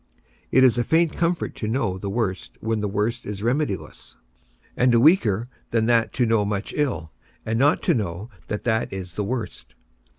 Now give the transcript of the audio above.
It is a faint comfort to know the worst when the worst is remediless, and a weaker than that to know much ill, and not to know that that is the worst.